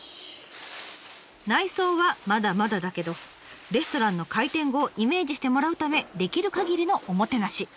内装はまだまだだけどレストランの開店後をイメージしてもらうためできるかぎりのおもてなし。